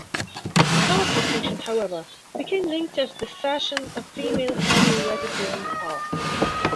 Class distinction, however, became linked as the fashion of female homoeroticism passed.